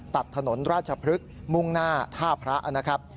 ตัดถนนราชพฤกษ์มุ่งหน้าท่าพระนะครับ